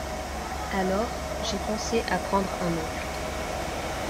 Alors, j’ai pensé à prendre un oncle…